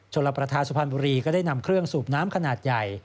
ลประธานสุพรรณบุรีก็ได้นำเครื่องสูบน้ำขนาดใหญ่